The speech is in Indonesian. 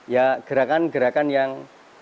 ya gerakan gerakan yang